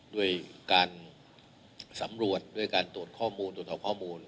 ด้วยการสำรวจด้วยการตรวจข้อมูลตรวจสอบข้อมูล